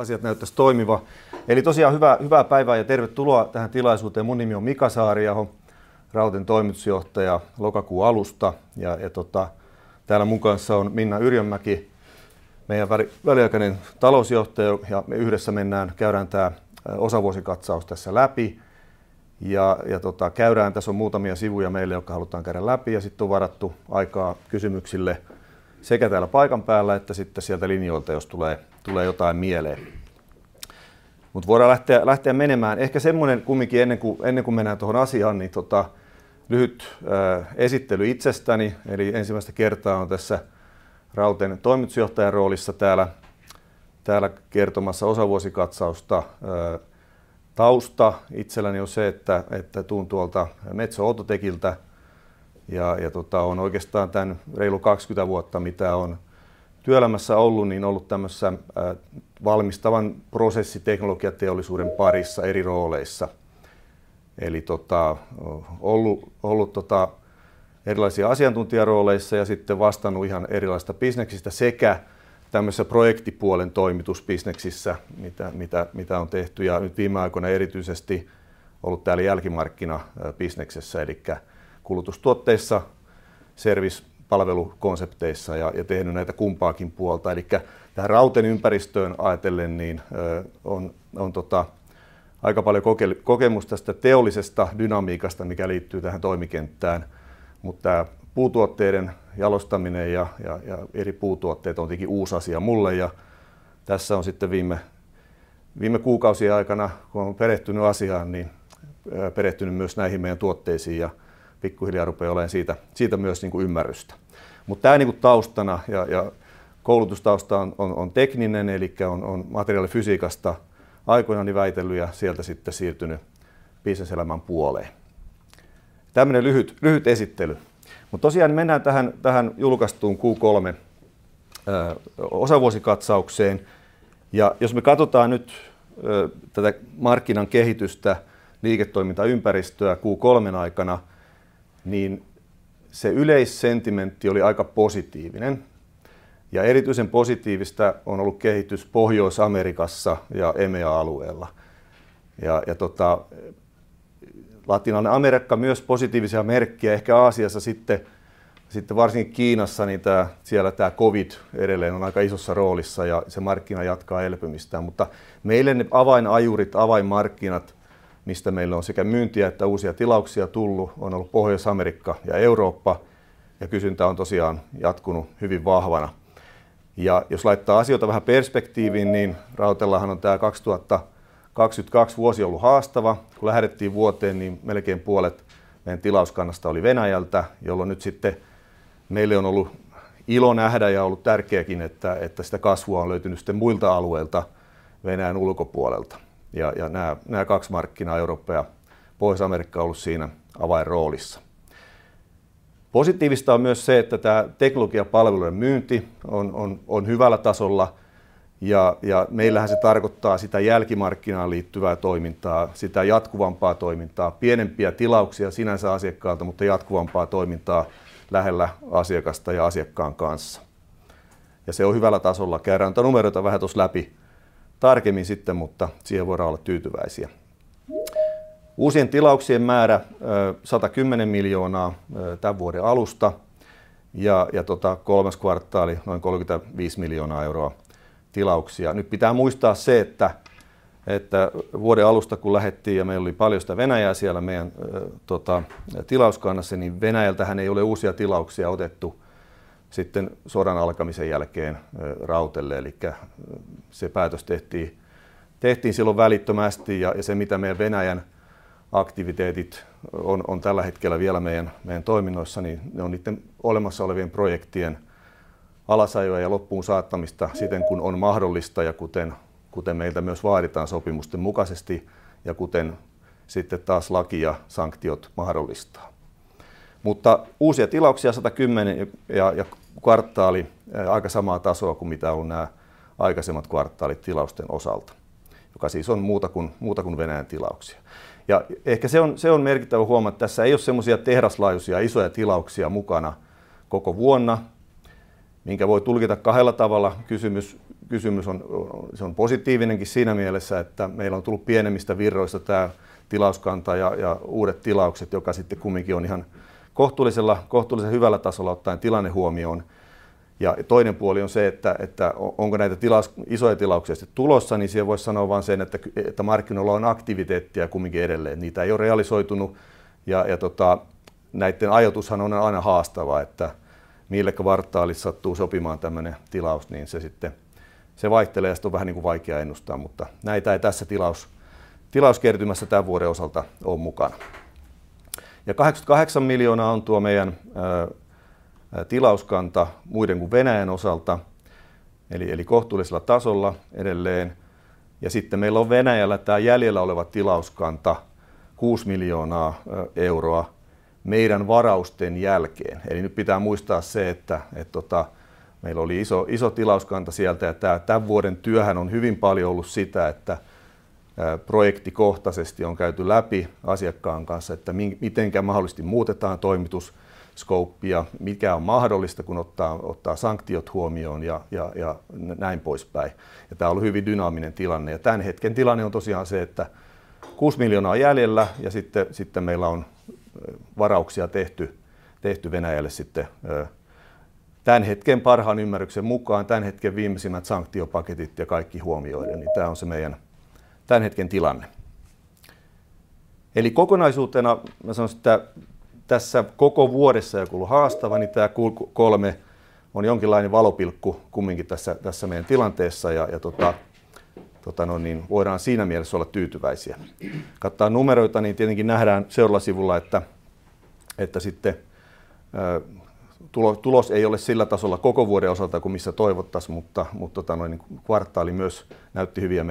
Asiat näyttäis toimivan. Eli tosiaan hyvää päivää ja tervetuloa tähän tilaisuuteen. Mun nimi on Mika Saariaho, Raute'n toimitusjohtaja lokakuun alusta ja täällä mun kanssa on Minna Yrjönmäki, meidän väliaikainen talousjohtaja ja me yhdessä mennään käydään tää osavuosikatsaus tässä läpi ja tässä on muutamia sivuja meille, jotka halutaan käydä läpi ja sitten on varattu aikaa kysymyksille sekä täällä paikan päällä että sitten sieltä linjoilta, jos tulee jotain mieleen. Mutta voidaan lähteä menemään. Ehkä semmonen kumminkin ennen kuin mennään tuohon asiaan, niin lyhyt esittely itsestäni. Eli ensimmäistä kertaa oon tässä Raute'n toimitusjohtajan roolissa täällä kertomassa osavuosikatsausta. Tausta itselläni on se, että tuun tuolta Metso Outotecilta ja oon oikeastaan tän reilu 20 vuotta mitä oon työelämässä ollut niin ollut tämmöisessä valmistavan prosessiteknologiateollisuuden parissa eri rooleissa. Olen ollut erilaisissa asiantuntijarooleissa ja sitten vastannut ihan erilaisista bisneksistä sekä tällaisessa projektipuolen toimitusbisneksissä, mitä on tehty, ja nyt viime aikoina erityisesti ollut täällä jälkimarkkinabisneksessä eli kulutustuotteissa, service-palvelukonsepteissa. Tehnyt näitä kumpaakin puolta. Tähän Rautteen ympäristöön ajatellen on aika paljon kokemusta tästä teollisesta dynamiikasta, mikä liittyy tähän toimikenttään. Tää puutuotteiden jalostaminen ja eri puutuotteet on tietenkin uusi asia mulle. Tässä on sitten viime kuukausien aikana, kun on perehtynyt asiaan, perehtynyt myös näihin meidän tuotteisiin ja pikkuhiljaa rupeaa olemaan siitä myös niin kuin ymmärrystä. Tää taustana ja koulutustausta on tekninen. On materiaalifysiikasta aikoinaan väitellyt ja sieltä sitten siirtynyt bisneselämän puoleen. Tällainen lyhyt esittely. Mennään tähän julkaistuun Q3 osavuosikatsaukseen. Jos me katsotaan nyt tätä markkinan kehitystä, liiketoimintaympäristöä Q3:n aikana, niin se yleinen sentimentti oli aika positiivinen ja erityisen positiivista on ollut kehitys Pohjois-Amerikassa ja EMEA-alueella. Latinalainen Amerikka myös positiivisia merkkejä. Ehkä Aasiassa sitten varsinkin Kiinassa, niin se siellä COVID edelleen on aika isossa roolissa ja se markkina jatkaa elpymistään. Mutta meille ne avainajurit, avainmarkkinat, mistä meille on sekä myyntiä että uusia tilauksia tullut, on ollut Pohjois-Amerikka ja Eurooppa, ja kysyntä on tosiaan jatkunut hyvin vahvana. Jos laittaa asioita vähän perspektiiviin, niin Raute:lla on tämä 2022 vuosi ollut haastava. Kun lähdettiin vuoteen, niin melkein puolet meidän tilauskannasta oli Venäjältä, jolloin nyt sitten meille on ollut ilo nähdä ja ollut tärkeääkin, että sitä kasvua on löytynyt sitten muilta alueilta Venäjän ulkopuolelta. Nämä kaksi markkinaa, Eurooppa ja Pohjois-Amerikka, on ollut siinä avainroolissa. Positiivista on myös se, että tämä teknologiapalveluiden myynti on hyvällä tasolla, ja meillähän se tarkoittaa sitä jälkimarkkinaan liittyvää toimintaa, sitä jatkuvampaa toimintaa, pienempiä tilauksia sinänsä asiakkaalta, mutta jatkuvampaa toimintaa lähellä asiakasta ja asiakkaan kanssa. Se on hyvällä tasolla. Käydään noita numeroita vähän tosi läpi tarkemmin sitten, mutta siihen voidaan olla tyytyväisiä. Uusien tilauksien määrä 110 million tän vuoden alusta ja kolmas kvartaali noin 35 million tilauksia. Nyt pitää muistaa se, että vuoden alusta kun lähettiin ja meillä oli paljon sitä Venäjää siellä meidän tilauskannassa, niin Venäjältähän ei ole uusia tilauksia otettu sitten sodan alkamisen jälkeen Raute. Se päätös tehtiin silloin välittömästi ja se, mitä meidän Venäjän aktiviteetit on tällä hetkellä vielä meidän toiminnoissa, niin ne on niiden olemassa olevien projektien alasajoa ja loppuun saattamista siten kuin on mahdollista ja kuten meiltä myös vaaditaan sopimusten mukaisesti ja kuten sitten taas laki ja sanktiot mahdollistaa. Uusia tilauksia 110 ja kvartaali aika samaa tasoa kuin mitä on nämä aikaisemmat kvartaalit tilausten osalta, joka siis on muuta kuin Venäjän tilauksia. Ehkä se on merkittävä huomio, että tässä ei ole semmoisia tehdaslaajuisia isoja tilauksia mukana koko vuonna, minkä voi tulkita kahdella tavalla. Kysymys on se on positiivinenkin siinä mielessä, että meillä on tullut pienemmistä virroista tämä tilauskanta ja uudet tilaukset, joka sitten kumminkin on ihan kohtuullisella kohtuullisen hyvällä tasolla ottaen tilanne huomioon. Toinen puoli on se, että onko näitä isoja tilauksia sitten tulossa, niin siihen vois sanoa vaan sen, että markkinoilla on aktiviteettia kumminkin edelleen. Niitä ei ole realisoitunut. Tota näitten ajoitushan on aina haastava, että mille kvartaalille sattuu sopimaan tämmönen tilaus, niin se vaihtelee ja sitä on vähän niinku vaikea ennustaa, mutta näitä ei tässä tilauskertymässä tän vuoden osalta oo mukana. 8 million on tuo meidän tilauskanta muiden kuin Venäjän osalta. Eli kohtuullisella tasolla edelleen. Sitten meillä on Venäjällä tämä jäljellä oleva tilauskanta EUR 6 million meidän varausten jälkeen. Eli nyt pitää muistaa se, että meillä oli iso tilauskanta sieltä. Tämän vuoden työhän on hyvin paljon ollut sitä, että projektikohtaisesti on käyty läpi asiakkaan kanssa, että miten mahdollisesti muutetaan toimitus scopea, mikä on mahdollista kun ottaa sanktiot huomioon ja näin poispäin. Tää on ollut hyvin dynaaminen tilanne ja tämän hetken tilanne on tosiaan se, että 6 miljoonaa on jäljellä ja sitten meillä on varauksia tehty Venäjälle sitten tämän hetken parhaan ymmärryksen mukaan tämän hetken viimeisimmät pakotepaketit ja kaikki huomioiden. Niin tää on se meidän tämän hetken tilanne. Eli kokonaisuutena mä sanoisin, että tässä koko vuodessa, joka on ollut haastava, niin tää Q3 on jonkinlainen valopilkku kumminkin tässä meidän tilanteessa ja tota noin niin voidaan siinä mielessä olla tyytyväisiä. Katsoaan numeroita, niin tietenkin nähdään seuraavalla sivulla, että sitten tulos ei ole sillä tasolla koko vuoden osalta kuin missä toivottais, mutta tota noin niinku kvartaali myös näytti hyviä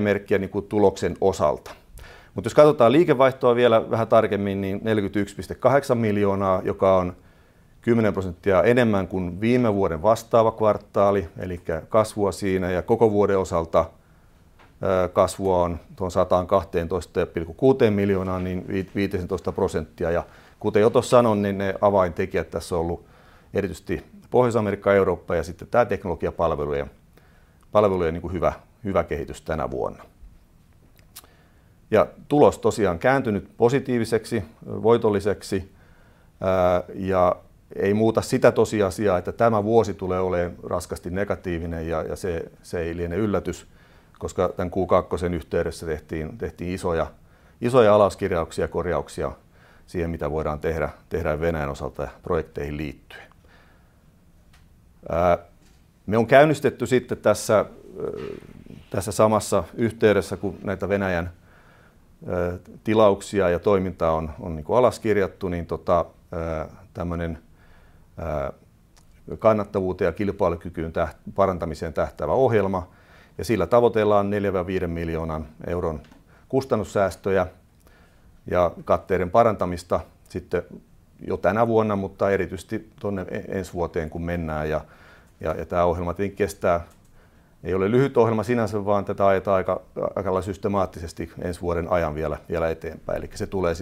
merkkejä niinku tuloksen osalta. Jos katotaan liikevaihtoa vielä vähän tarkemmin, niin 44.8 million, joka on 10% enemmän kuin viime vuoden vastaava kvartaali. Elikkä kasvua siinä ja koko vuoden osalta kasvua on 112.6 million, niin 15%. Kuten jo tuossa sanoin, niin ne avaintekijät tässä on ollut erityisesti Pohjois-Amerikka ja Eurooppa ja sitten tää teknologiapalvelujen niinku hyvä kehitys tänä vuonna. Tulos tosiaan kääntynyt positiiviseksi, voitolliseksi. Ei muuta sitä tosiasiaa, että tämä vuosi tulee oleen raskasti negatiivinen ja se ei liene yllätys, koska tämän Q2:n yhteydessä tehtiin isoja alaskirjauksia, korjauksia siihen, mitä voidaan tehdä Venäjän osalta projekteihin liittyen. Me on käynnistetty sitten tässä samassa yhteydessä kun näitä Venäjän tilauksia ja toimintaa on alaskirjattu, niin niinku tällainen kannattavuuteen ja kilpailukykyyn parantamiseen tähtäävä ohjelma ja sillä tavoitellaan 4-5 million kustannussäästöjä ja katteiden parantamista sitten jo tänä vuonna, mutta erityisesti tuonne ensi vuoteen kun mennään ja tämä ohjelma tietenkin kestää. Ei ole lyhyt ohjelma sinänsä, vaan tätä ajetaan aika aikalailla systemaattisesti ensi vuoden ajan vielä eteenpäin. Elikkä se tulee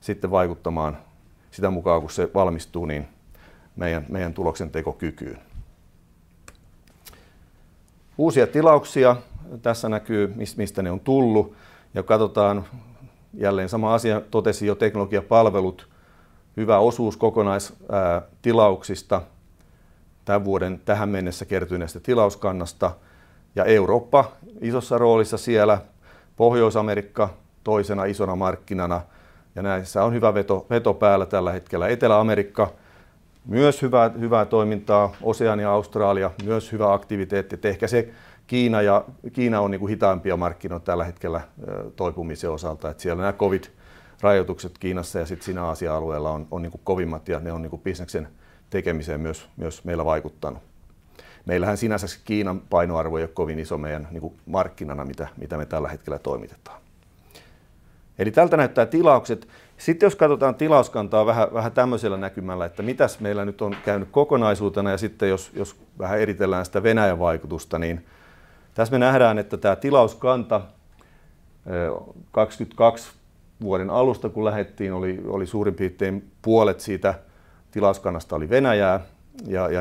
sitten vaikuttamaan sitä mukaa kun se valmistuu niin meidän tuloksentekokykyyn. Uusia tilauksia tässä näkyy, mistä ne on tullu ja katsotaan jälleen sama asia. Totesin jo teknologiapalvelut. Hyvä osuus kokonaistilauksista tämän vuoden tähän mennessä kertyneestä tilauskannasta ja Eurooppa isossa roolissa siellä. Pohjois-Amerikka toisena isona markkinana. Näissä on hyvä veto päällä tällä hetkellä. Etelä-Amerikka myös hyvää toimintaa. Oseania, Australia myös hyvä aktiviteetti, ehkä se Kiina ja Kiina on niinku hitaimpia markkinoita tällä hetkellä toipumisen osalta, siellä nää COVID-rajoitukset Kiinassa ja sitten siinä Aasian alueella on niinku kovimmat ja ne on niinku bisneksen tekemiseen myös meillä vaikuttanut. Meillähän sinänsä se Kiinan painoarvo ei ole kovin iso meidän niinku markkinana mitä me tällä hetkellä toimitetaan. Eli tältä näyttää tilaukset. Jos katotaan tilauskantaa vähän tämmösellä näkymällä, että mitäs meillä nyt on käynyt kokonaisuutena ja jos vähän eritellään sitä Venäjän vaikutusta, niin tässä me nähdään, että tämä tilauskanta 2022 vuoden alusta kun lähdettiin oli suurin piirtein puolet siitä tilauskannasta oli Venäjää.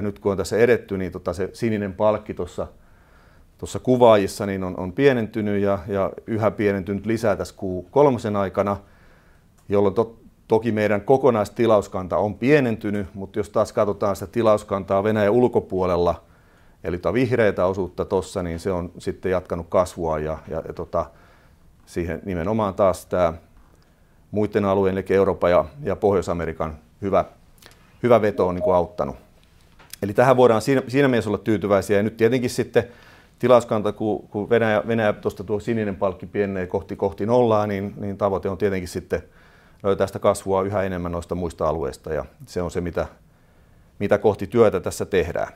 Nyt kun on tässä edetty, niin se sininen palkki tossa kuvaajissa on pienentynyt ja yhä pienentynyt lisää tässä Q3 aikana, jolloin toki meidän kokonaistilauskanta on pienentynyt. Jos taas katsotaan sitä tilauskantaa Venäjän ulkopuolella eli vihreää osuutta tossa, niin se on sitten jatkanut kasvuaan ja siihen nimenomaan taas tämä muiden alueiden eli Euroopan ja Pohjois-Amerikan hyvä veto on niin kuin auttanut. Tähän voidaan siinä mielessä olla tyytyväisiä. Nyt tietenkin tilauskanta, kun Venäjä tuosta tuo sininen palkki pienenee kohti nollaa, niin tavoite on tietenkin löytää sitä kasvua yhä enemmän noista muista alueista. Se on se mitä kohti työtä tässä tehdään.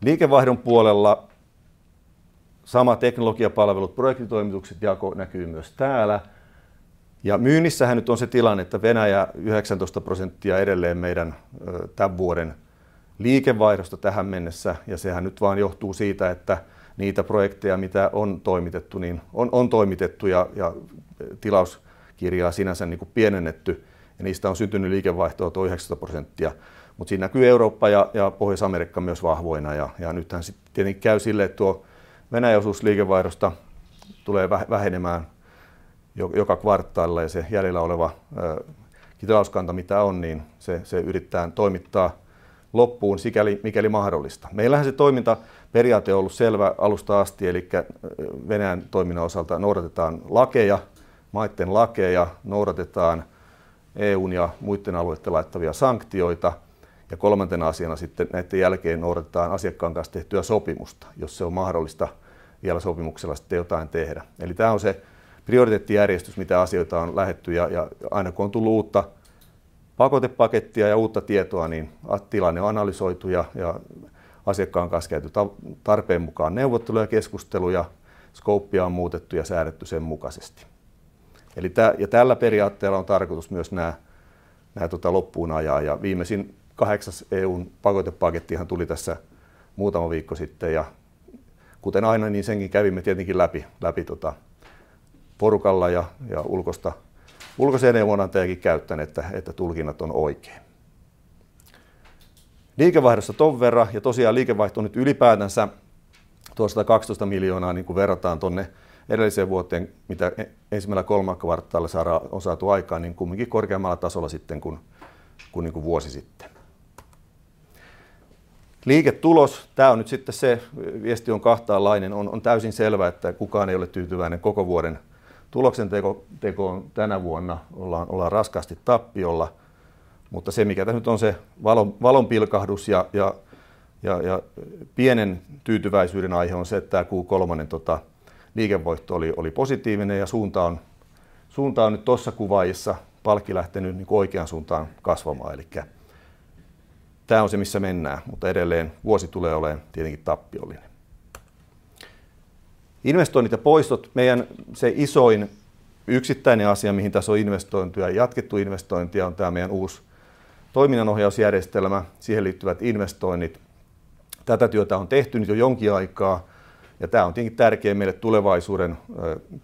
Liikevaihdon puolella sama teknologiapalvelut projektitoimitukset jako näkyy myös täällä. Myynnissähän nyt on se tilanne, että Venäjä 19% edelleen meidän tämän vuoden liikevaihdosta tähän mennessä. Sehän nyt vaan johtuu siitä, että niitä projekteja mitä on toimitettu niin on toimitettu ja tilauskirjaa sinänsä niinkuin pienennetty ja niistä on syntynyt liikevaihtoa tuo 19%. Siinä näkyy Eurooppa ja Pohjois-Amerikka myös vahvoina. Nythän sitten tietenkin käy silleen, että tuo Venäjän osuus liikevaihdosta tulee vähenemään joka kvartaalilla ja se jäljellä oleva tilauskanta mitä on, niin se yritetään toimittaa loppuun sikäli kuin mahdollista. Meillähän se toimintaperiaate on ollut selvä alusta asti, elikkä Venäjän toiminnan osalta noudatetaan lakeja, maiden lakeja, noudatetaan EU:n ja muiden alueiden laatimia sanktioita. Kolmantena asiana sitten näiden jälkeen noudatetaan asiakkaan kanssa tehtyä sopimusta, jos se on mahdollista vielä sopimuksella sitten jotain tehdä. Tää on se prioriteettijärjestys mitä asioita on lähdetty ja aina kun on tullut uutta pakotepakettia ja uutta tietoa, niin tilanne on analysoitu ja asiakkaan kanssa käyty tarpeen mukaan neuvotteluja, keskusteluja. Scopea on muutettu ja säädetty sen mukaisesti. Eli ja tällä periaatteella on tarkoitus myös näitä loppuun ajaa. Viimeisin kahdeksas EU:n pakotepaketti tuli tässä muutama viikko sitten ja kuten aina, niin senkin kävimme tietenkin läpi porukalla ja ulkoisia neuvonantajiakin käyttäen, että tulkinnat on oikein. Liikevaihdossa ton verran. Tosiaan liikevaihto nyt ylipäätänsä tuo EUR 112 million verrataan edelliseen vuoteen, mitä ensimmäisellä kolme kvartaalilla samaan on saatu aikaan niin kuitenkin korkeammalla tasolla sitten kun vuosi sitten. Liiketulos. Tää on nyt sitten se. Viesti on kahtalainen. Täysin selvää, että kukaan ei ole tyytyväinen koko vuoden tuloksentekoon. Tänä vuonna ollaan raskaasti tappiolla, mutta se mikä tässä nyt on se valonpilkahdus ja pienen tyytyväisyyden aihe on se, että tämä Q3 tota liikevoitto oli positiivinen ja suunta on nyt tuossa kuvaajassa palkki lähteny niinku oikeaan suuntaan kasvamaan. Tää on se missä mennään, mutta edelleen vuosi tulee oleen tietenkin tappiollinen. Investoinnit ja poistot. Meidän se isoin yksittäinen asia mihin tässä on investoitu ja jatkettu investointia on tämä meidän uusi toiminnanohjausjärjestelmä, siihen liittyvät investoinnit. Tätä työtä on tehty nyt jo jonkin aikaa ja tämä on tietenkin tärkeä meille tulevaisuuden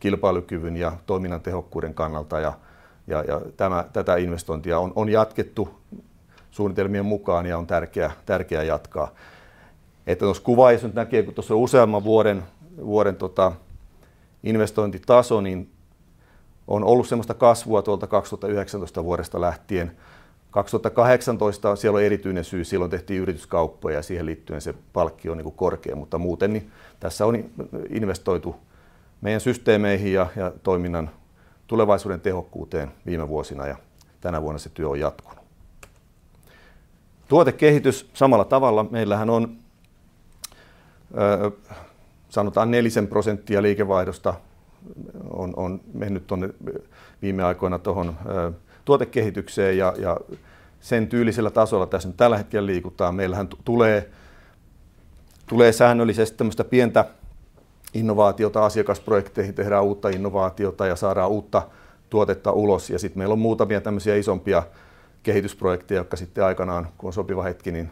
kilpailukyvyn ja toiminnan tehokkuuden kannalta ja tämä investointia on jatkettu suunnitelmien mukaan ja on tärkeää jatkaa. Tos kuvaajassa nyt näkee kun tossa on useamman vuoden investointitaso, niin on ollu semmosta kasvua tuolta 2019 vuodesta lähtien. 2018, siellä on erityinen syy. Silloin tehtiin yrityskauppoja ja siihen liittyen se palkkio on niin kuin korkea, mutta muuten tässä on investoitu meidän systeemeihin ja toiminnan tulevaisuuden tehokkuuteen viime vuosina ja tänä vuonna se työ on jatkunut. Tuotekehitys samalla tavalla. Meillähän on sanotaan nelisen % liikevaihdosta on mennyt tuonne viime aikoina tuohon tuotekehitykseen ja sen tyylisellä tasolla tässä nyt tällä hetkellä liikutaan. Meillähän tulee säännöllisesti tämmöstä pientä innovaatiota asiakasprojekteihin, tehdään uutta innovaatiota ja saadaan uutta tuotetta ulos. Sit meil on muutamia tämmösiä isompia kehitysprojekteja, jotka sitten aikanaan kun on sopiva hetki, niin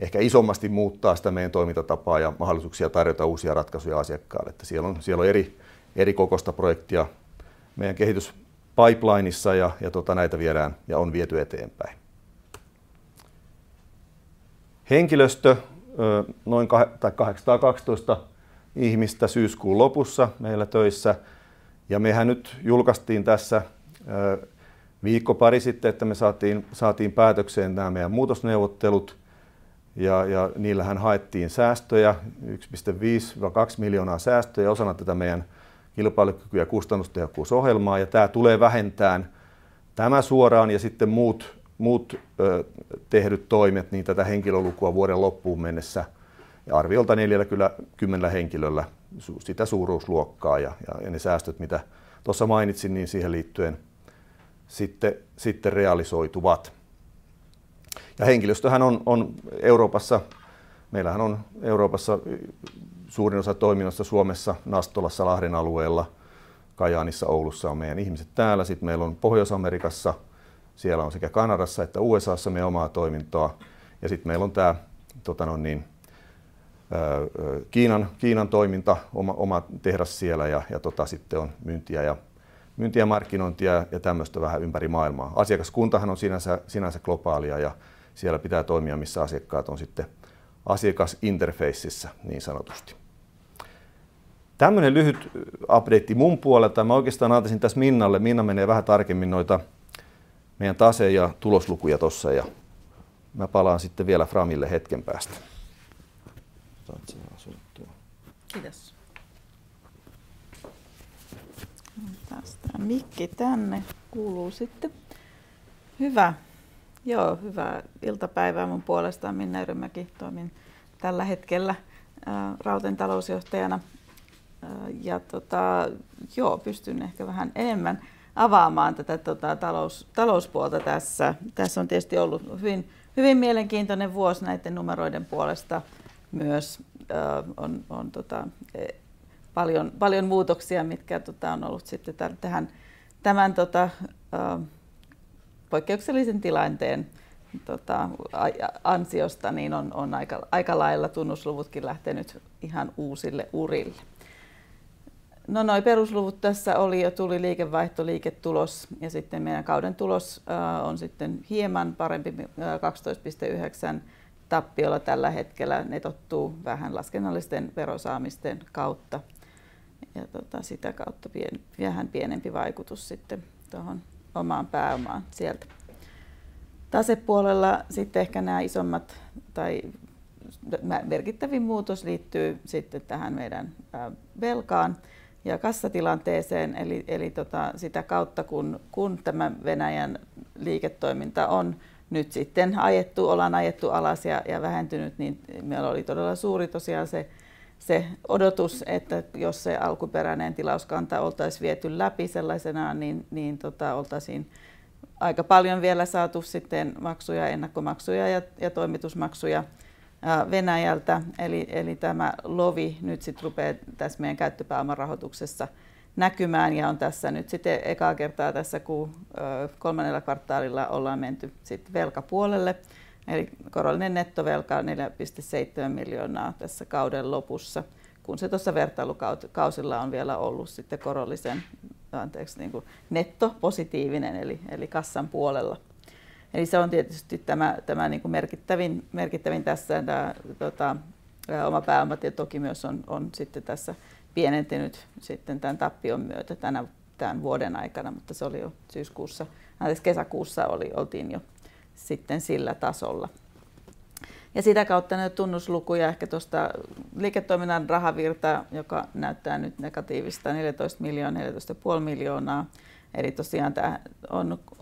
ehkä isommasti muuttaa sitä meidän toimintatapaa ja mahdollisuuksia tarjota uusia ratkaisuja asiakkaalle. Siellä on eri kokoisia projekteja meidän kehityspipelineissa ja näitä viedään ja on viety eteenpäin. Henkilöstö noin 812 ihmistä syyskuun lopussa meillä töissä. Mehän nyt julkistettiin tässä viikko pari sitten, että me saatiin päätökseen nää meidän muutosneuvottelut, ja niillähän haettiin säästöjä 1.5-2 million säästöjä osana tätä meidän kilpailukyky- ja kustannustehokkuusohjelmaa. Tää tulee vähentämään tätä suoraan ja sitten muut tehdyt toimet niin tätä henkilölukua vuoden loppuun mennessä arviolta 40 henkilöllä. Sitä suuruusluokkaa ja ne säästöt mitä tossa mainitsin, niin siihen liittyen sitten realisoituvat. Henkilöstöhän on Euroopassa meillähän on Euroopassa suurin osa toiminnasta Suomessa, Nastolassa, Lahden alueella, Kajaanissa, Oulussa on meidän ihmiset täällä. Meil on Pohjois-Amerikassa, siellä on sekä Kanadassa että USA:ssa meidän omaa toimintaa. Meil on tää Kiinan toiminta, oma tehdas siellä ja sitte on myyntiä, markkinointia ja tämmöstä vähän ympäri maailmaa. Asiakaskuntahan on sinänsä globaalia ja siellä pitää toimia missä asiakkaat on sitten asiakasinterfacessa niin sanotusti. Tämmönen lyhyt update mun puolelta. Mä oikeestaan antaisin täs Minnalle. Minna menee vähän tarkemmin noita meidän tase- ja tuloslukuja tossa ja mä palaan sitten vielä Framille hetken päästä. Saatsä sen asunnon. Kiitos. Otetaas tää mikki tänne, kuuluu sitten. Hyvä. Hyvää iltapäivää mun puolesta. Minna Yrjönmäki, toimin tällä hetkellä Raute talousjohtajana. Pystyn ehkä vähän enemmän avaamaan tätä talouspuolta tässä. Tässä on tietysti ollut hyvin mielenkiintonen vuosi näitten numeroiden puolesta, myös on paljon muutoksia mitkä on ollut sitten tähän tämän poikkeuksellisen tilanteen ansiosta niin on aika lailla tunnusluvutkin lähteny ihan uusille urille. Noi perusluvut tässä oli jo, tuli liikevaihto, liiketulos ja sitten meidän kauden tulos on sitten hieman parempi, 12.9 tappiolla tällä hetkellä. Ne tottuu vähän laskennallisten verosaamisten kautta ja sitä kautta vähän pienempi vaikutus sitten tuohon omaan pääomaan sieltä. Tasepuolella sitten ehkä nää isommat tai merkittävin muutos liittyy sitten tähän meidän velkaan ja kassatilanteeseen. Tota sitä kautta, kun tämä Venäjän liiketoiminta on nyt ajettu alas ja vähentynyt, niin meillä oli todella suuri tosiaan se odotus, että jos se alkuperäinen tilauskanta oltais viety läpi sellaisenaan, niin oltaisiin aika paljon vielä saatu maksuja, ennakkomaksuja ja toimitusmaksuja Venäjältä. Tämä lovi nyt sitten rupeaa tässä meidän käyttöpääomarahoituksessa näkymään ja on tässä nyt sitten ekaa kertaa, kun kolmannella kvartaalilla ollaan menty velkapuolelle eli korollinen nettovelkaa 4.7 miljoonaa tässä kauden lopussa, kun se tuossa vertailikausilla on vielä ollut korollisen, anteeksi niin kuin netto positiivinen eli kassan puolella. Se on tietysti tämä niin kuin merkittävin tässä oma pääoma ja toki myös on sitten tässä pienentynyt tän tappion myötä tänä vuoden aikana, mutta se oli jo kesäkuussa, oltiin jo sitten sillä tasolla. Sitä kautta noi tunnuslukuja ehkä tuosta liiketoiminnan rahavirtaa, joka näyttää nyt negatiivista 14 miljoonaa, 14.5 miljoonaa. Tosiaan tää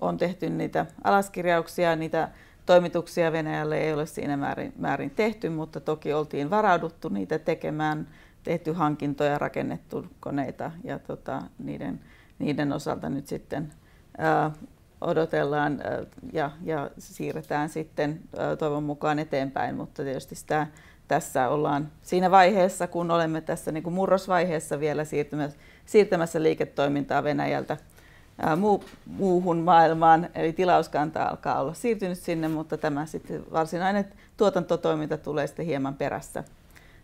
on tehty niitä alaskirjauksia ja niitä toimituksia Venäjälle ei ole siinä määrin tehty, mutta toki oltiin varauduttu niitä tekemään, tehty hankintoja, rakennettu koneita ja tota niiden osalta nyt sitten odotellaan ja siirretään sitten toivon mukaan eteenpäin. Tietysti sitä tässä ollaan siinä vaiheessa, kun olemme tässä niinku murrosvaiheessa vielä siirtämässä liiketoimintaa Venäjältä muuhun maailmaan. Tilauskanta alkaa olla siirtynyt sinne, mutta tämä sitten varsinainen tuotantotoiminta tulee sitten hieman perässä,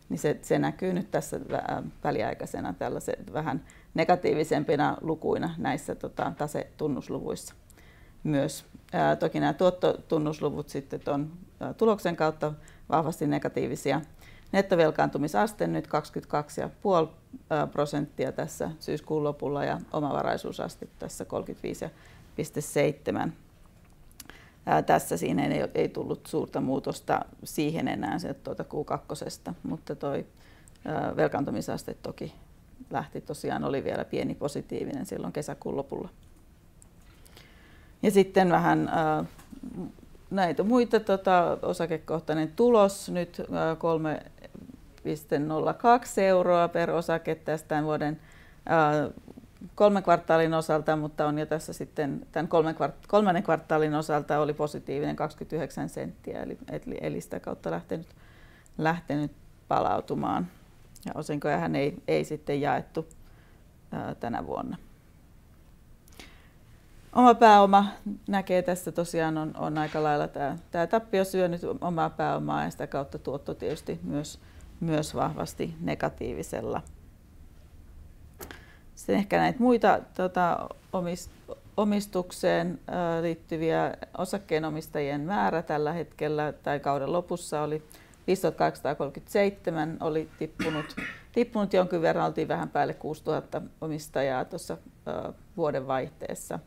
niin se näkyy nyt tässä väliaikaisena tällaisena vähän negatiivisempina lukuina näissä tasetunnusluvuissa myös. Toki nää tuottotunnusluvut sitten tuon tuloksen kautta vahvasti negatiivisia. Nettovelkaantumisaste nyt 22.5% tässä syyskuun lopulla ja omavaraisuusaste tässä 35.7%. Tässä siinä ei tullut suurta muutosta siihen enää sieltä Q2:sta, mutta toi nettovelkaantumisaste toki lähti tosiaan oli vielä pieni positiivinen silloin kesäkuun lopulla. Sitten vähän näitä muita osakekohtainen tulos nyt 3.02 EUR per osake tämän vuoden kolmen kvartaalin osalta, mutta on jo tässä sitten tämän kolmannen kvartaalin osalta oli positiivinen 0.28 EUR eli sitä kautta lähtenyt palautumaan. Osinkojahan ei sitten jaettu tänä vuonna. Oma pääoma näkee tässä tosiaan on aikalailla tää tappio syönyt omaa pääomaa ja sitä kautta tuotto tietysti myös vahvasti negatiivisella. Sit ehkä näitä muita omistukseen liittyviä. Osakkeenomistajien määrä tällä hetkellä tai kauden lopussa oli 15,237 oli tippunut jonkin verran. Oltiin vähän päälle 6,000 omistajaa tossa vuodenvaihteessa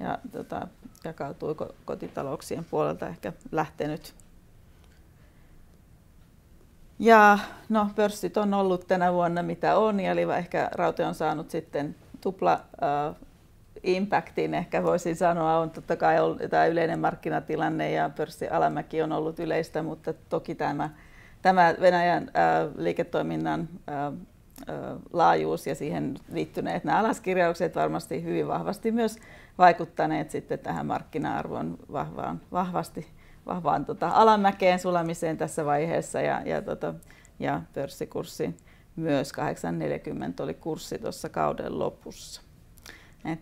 ja tota jakautui kotitalouksien puolelta ehkä lähtenyt. Pörssit on ollut tänä vuonna mitä on eli ehkä Raute on saanut sitten tupla impactin. Ehkä voisin sanoa. On totta kai ollut tämä yleinen markkinatilanne ja pörssin alamäki on ollut yleistä, mutta toki tämä Venäjän liiketoiminnan laajuus ja siihen liittyneet nämä alaskirjaukset varmasti hyvin vahvasti myös vaikuttaneet sitten tähän markkina-arvon vahvaan alamäkeen sulamiseen tässä vaiheessa. Pörssikurssin myös 840 oli kurssi tuossa kauden lopussa.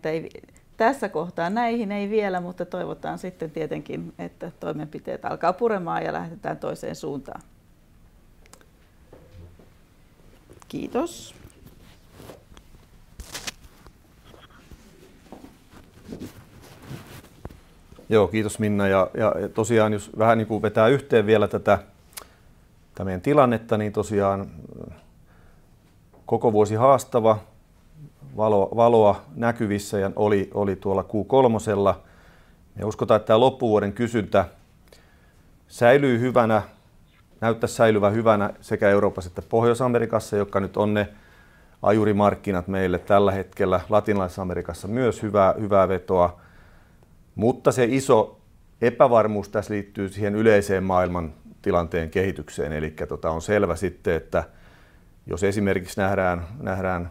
Ei tässä kohtaa näihin ei vielä, mutta toivotaan sitten tietenkin, että toimenpiteet alkaa puremaan ja lähdetään toiseen suuntaan. Kiitos. Joo, kiitos Minna. Tosiaan, jos vähän niinku vetää yhteen vielä tätä meidän tilannetta, niin tosiaan koko vuosi haastava. Valoa näkyvissä, ja oli tuolla Q3:lla. Me uskotaan, että tää loppuvuoden kysyntä säilyy hyvänä. Näyttää säilyvän hyvänä sekä Euroopassa että Pohjois-Amerikassa, jotka nyt on ne ajurimarkkinat meille tällä hetkellä. Latinalais-Amerikassa myös hyvää vetoa, mutta se iso epävarmuus tässä liittyy siihen yleiseen maailmantilanteen kehitykseen. Eli tota on selvä, että jos esimerkiksi nähdään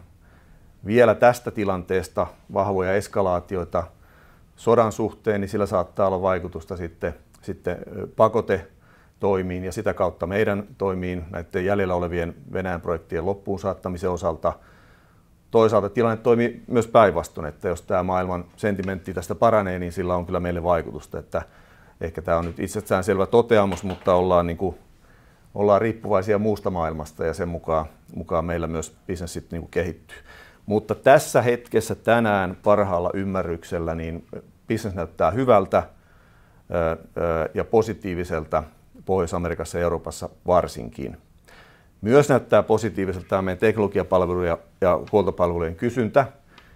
vielä tästä tilanteesta vahvoja eskalaatioita sodan suhteen, niin sillä saattaa olla vaikutusta sitten pakotetoimiin ja sitä kautta meidän toimiin näiden jäljellä olevien Venäjän projektien loppuun saattamisen osalta. Toisaalta tilanne toimii myös päinvastoin, että jos tää maailman sentimentti tästä paranee, niin sillä on kyllä meille vaikutusta. Ehkä tää on nyt itsessään selvä toteamus, mutta ollaan niinku riippuvaisia muusta maailmasta ja sen mukaan meillä myös bisnes niinku kehittyy. Tässä hetkessä tänään parhaalla ymmärryksellä, niin bisnes näyttää hyvältä ja positiiviselta Pohjois-Amerikassa ja Euroopassa varsinkin. Myös näyttää positiiviselta tää meidän teknologiapalveluiden ja huoltopalveluiden kysyntä,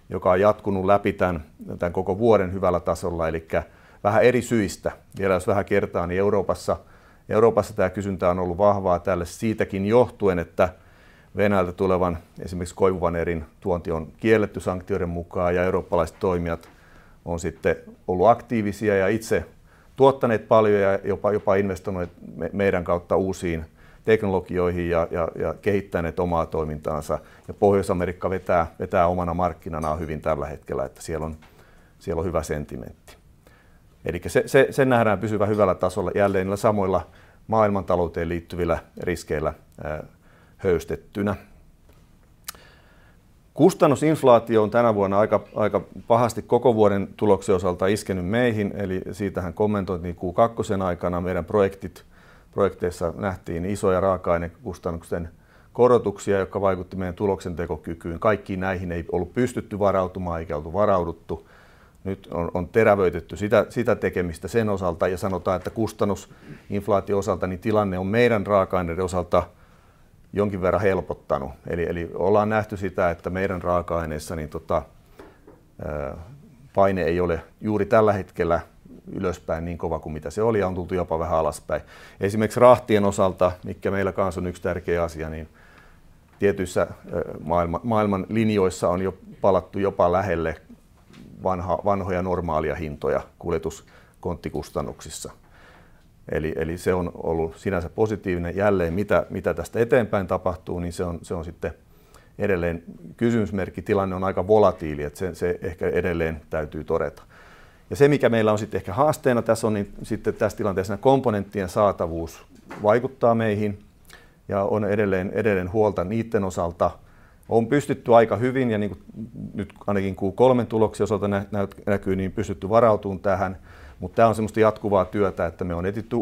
joka on jatkunut läpi tän koko vuoden hyvällä tasolla. Elikkä vähän eri syistä. Vielä jos vähän kertaan, niin Euroopassa tää kysyntä on ollut vahvaa sille siitäkin johtuen, että Venäjältä tulevan esimerkiksi koivuvanerin tuonti on kielletty sanktioiden mukaan ja eurooppalaiset toimijat on sitten ollut aktiivisia ja itse tuottaneet paljon ja jopa investoineet meidän kautta uusiin teknologioihin ja kehittäneet omaa toimintaansa. Pohjois-Amerikka vetää omana markkinanaan hyvin tällä hetkellä, että siellä on hyvä sentimentti. Elikkä se nähdään pysyvän hyvällä tasolla jälleen niillä samoilla maailmantalouteen liittyvillä riskeillä höystettynä. Kustannusinflaatio on tänä vuonna aika pahasti koko vuoden tuloksen osalta iskenyt meihin. Eli siitähän kommentoin niin kuin Q2:n aikana. Meidän projekteissa nähtiin isoja raaka-ainekustannusten korotuksia, jotka vaikuttivat meidän tuloksentekokykyyn. Kaikkiin näihin ei ollut pystytty varautumaan eikä oltu varauduttu. Nyt on terävöitetty sitä tekemistä sen osalta ja sanotaan, että kustannusinflaation osalta tilanne on meidän raaka-aineiden osalta jonkin verran helpottanut. Eli ollaan nähty sitä, että meidän raaka-aineissa paine ei ole juuri tällä hetkellä ylöspäin niin kova kuin mitä se oli ja on tultu jopa vähän alaspäin. Esimerkiksi rahtien osalta, mitkä meilläkin on yksi tärkeä asia, niin tietyissä maailman linjoissa on jo palattu jopa lähelle vanhoja normaalia hintoja kuljetuskonttikustannuksissa. Eli se on ollut sinänsä positiivinen. Jälleen mitä tästä eteenpäin tapahtuu, niin se on sitten edelleen kysymysmerkki. Tilanne on aika volatiili, että se ehkä edelleen täytyy todeta. Se mikä meillä on ehkä haasteena tässä on niin sitten tässä tilanteessa komponenttien saatavuus vaikuttaa meihin ja on edelleen huolta niiden osalta. On pystytty aika hyvin ja nyt ainakin Q3:n tuloksen osalta näkyy niin pystytty varautumaan tähän. Tämä on semmoista jatkuvaa työtä, että me on etsitty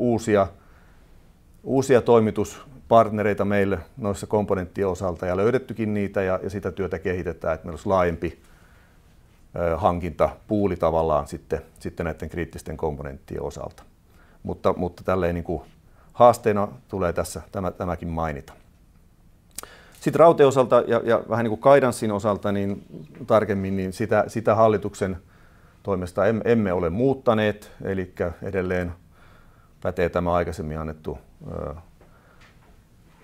uusia toimituspartnereita meille noissa komponenttien osalta ja löydettykin niitä ja sitä työtä kehitetään, että meillä olisi laajempi hankintapooli tavallaan sitten näiden kriittisten komponenttien osalta. Tällaisella tavalla haasteena tulee tässä tämäkin mainittava. Raaka-aineiden osalta ja vähän guidancen osalta niin tarkemmin, sitä hallituksen toimesta emme ole muuttaneet. Elikkä edelleen pätee tämä aikaisemmin annettu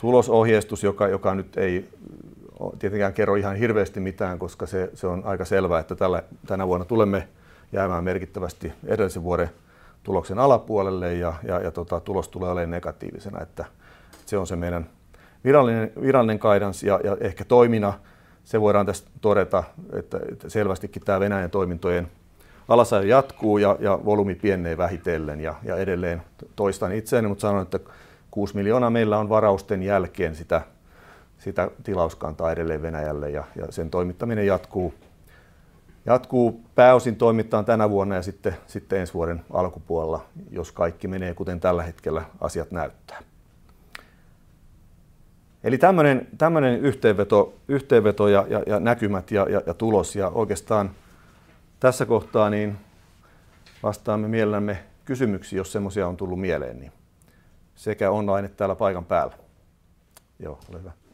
tulosohjeistus, joka nyt ei tietenkään kerro ihan hirveästi mitään, koska se on aika selvää, että tälleen tänä vuonna tulemme jäämään merkittävästi edellisen vuoden tuloksen alapuolelle ja tulos tulee oleen negatiivisena, että se on se meidän virallinen guidance ja ehkä toimina. Se voidaan täst todeta, että selvästi tämä Venäjän toimintojen alasajo jatkuu ja volyymit pienenee vähitellen. Edelleen toistan itseäni, mut sanon, että EUR 6 million meillä on varausten jälkeen sitä tilauskantaa edelleen Venäjälle ja sen toimittaminen jatkuu pääosin tänä vuonna ja sitten ensi vuoden alkupuolella. Jos kaikki menee kuten tällä hetkellä asiat näyttää. Tämmönen yhteenveto ja näkymät ja tulos. Oikeastaan tässä kohtaa niin vastaamme mielellämme kysymyksiin, jos semmosia on tullu mieleen niin sekä online täällä paikan päällä. Joo ole hyvä. Ehkä tästä alla olevasta kannattavuuskehityksestä kun nyt on tuohon Q3